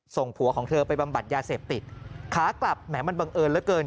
ผัวของเธอไปบำบัดยาเสพติดขากลับแหมมันบังเอิญเหลือเกิน